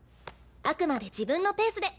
あくまで自分のペースで。